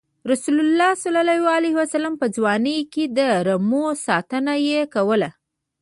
رسول الله ﷺ په ځوانۍ کې د رمو ساتنه یې کوله.